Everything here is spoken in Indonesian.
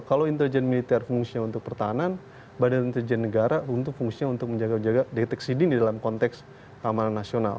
kalau intelijen militer fungsinya untuk pertahanan badan intelijen negara untuk fungsinya untuk menjaga jaga deteksi dini dalam konteks keamanan nasional